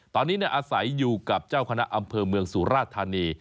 ตอนนี้อาศัยอยู่กับเจ้าคณะอำเภอเมืองสุราธานี